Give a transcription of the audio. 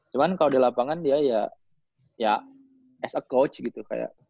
cuman kalau di lapangan dia ya as a coach gitu kayak